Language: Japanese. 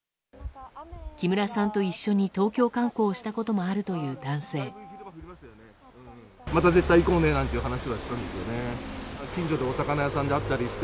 木村さんと一緒に東京観光したこともあるという男性。